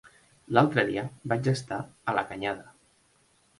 L'altre dia vaig estar a la Canyada.